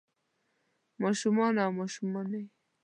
ما شومان او ماشومانے